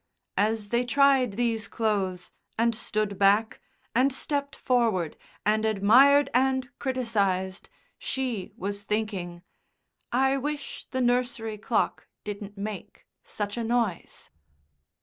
As they tried these clothes, and stood back, and stepped forward, and admired and criticised, she was thinking, "I wish the nursery clock didn't make such a noise."